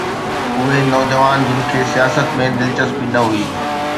اهي نوجوان جن کي سياست ۾ دلچسپي نه هئي.